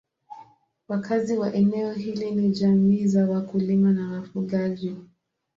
Wakazi wa eneo hili ni jamii za wakulima na wafugaji.